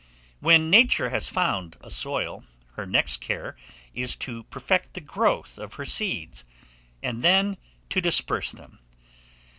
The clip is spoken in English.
WHEN NATURE HAS FOUND A SOIL, her next care is to perfect the growth of her seeds, and then to disperse them.